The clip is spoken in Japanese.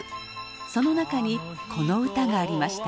その中にこの歌がありました。